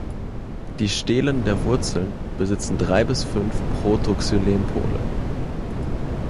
Die Stelen der Wurzeln besitzen drei bis fünf Protoxylem-Pole.